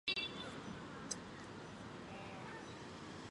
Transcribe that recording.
但是凯蒂有个梦想就是录制她的音乐专辑。